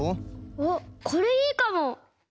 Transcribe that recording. あっこれいいかも！